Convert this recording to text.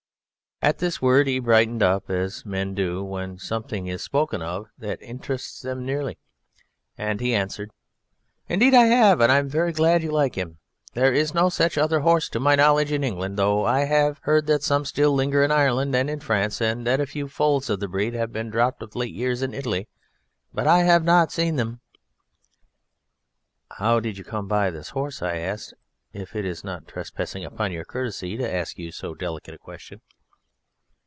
At this word he brightened up as men do when something is spoken of that interests them nearly, and he answered: "Indeed, I have! and I am very glad you like him. There is no such other horse to my knowledge in England, though I have heard that some still linger in Ireland and in France, and that a few foals of the breed have been dropped of late years in Italy, but I have not seen them. "How did you come by this horse?" said I; "if it is not trespassing upon your courtesy to ask you so delicate a question."